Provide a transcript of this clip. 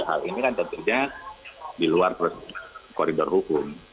hal ini kan tentunya di luar koridor hukum